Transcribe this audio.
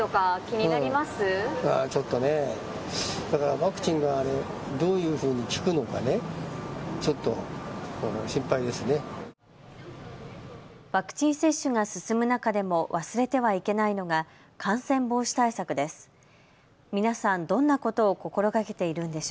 ワクチン接種が進む中でも忘れてはいけないのが感染防止対策です。